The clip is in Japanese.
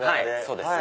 そうです。